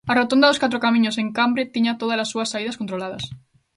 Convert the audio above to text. A rotonda dos Catro Camiños en Cambre tiña tódalas súas saídas controladas.